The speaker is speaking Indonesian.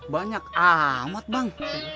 banyak amat bang